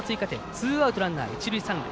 ツーアウト、ランナー、一塁三塁。